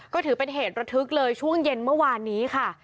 ก็ถือเป็นเหตุระทึกเลยช่วงเย็นเมื่อวานนี้ค่ะ